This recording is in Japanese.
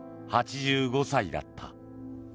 ８５歳だった。